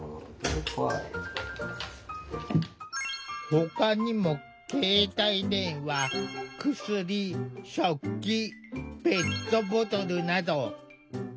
ほかにも携帯電話薬食器ペットボトルなど。